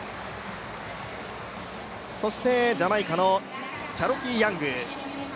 そしてジャマイカのチャロキー・ヤング。